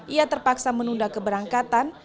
ia terpaksa menunda keberangkatan